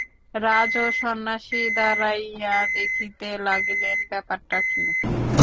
রাজ ও সন্ন্যাসী দাঁড়াইয়া দেখিতে লাগিলেন, ব্যাপারটা কি।